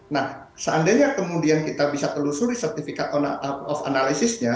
nah seandainya kemudian kita bisa telusuri sertifikat analisisnya